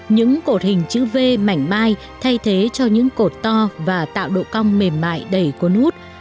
những cột hình chữ v mảnh mai thay thế cho những cột to và tạo độ cong mềm mại đầy cuốn út